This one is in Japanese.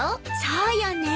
そうよね。